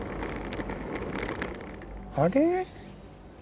あれ？